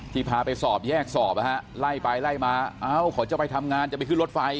ที่พาไปสอบแยกสอบไล่ไปไล่มาขอจะไปทำงานจะไปขึ้นรถไฟ